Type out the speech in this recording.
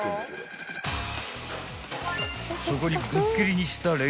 ［そこにぶっ切りにした］